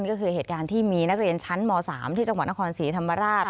ก็คือเหตุการณ์ที่มีนักเรียนชั้นม๓ที่จังหวัดนครศรีธรรมราช